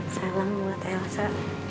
salam buat elsa